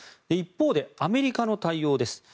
一方で、アメリカの対応です。